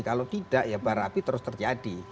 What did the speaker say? kalau tidak ya barapi terus terjadi